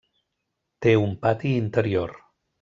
Té un pati interior.